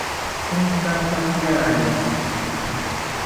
Thonkaka piarentzi